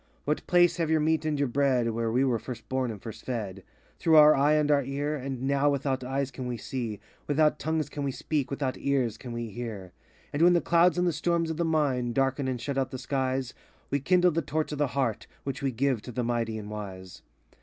88 What place have your meat and your bread Where we were first born, and first fed Through our eye and our ear? And now, without eyes we can see, Without tongues we can speak, Without ears we can hear. And when the clouds and the storms of the Mind Darken and shut out the skies, We kindle the torch of the Heart, Which we give to the mighty and wise.